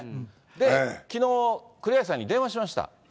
で、きのう、栗橋さんに電話しました。